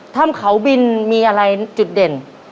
ถ้ำเขาบินมีอะไรจุดเด่น